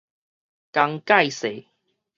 江蓋世